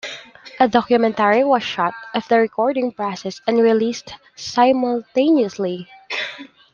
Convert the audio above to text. A documentary was shot of the recording process and released simultaneously.